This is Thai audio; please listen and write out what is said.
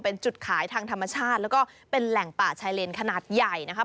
เป็นจุดขายทางธรรมชาติแล้วก็เป็นแหล่งป่าชายเลนขนาดใหญ่นะครับ